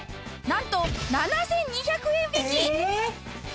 なんと７２００円引き！え！